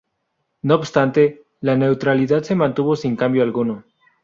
No obstante, la neutralidad se mantuvo sin cambio alguno.